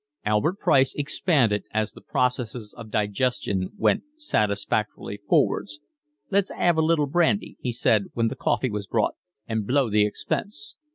Albert Price expanded as the processes of digestion went satisfactorily forwards. "Let's 'ave a little brandy," he said when the coffee was brought, "and blow the expense."